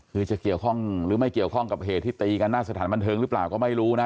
คือจะเกี่ยวข้องหรือไม่เกี่ยวข้องกับเหตุที่ตีกันหน้าสถานบันเทิงหรือเปล่าก็ไม่รู้นะ